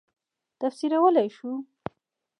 تفسیرولای شو.